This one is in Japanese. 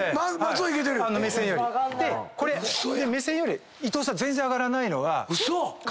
でこれ目線より伊藤さん全然上がらないのは。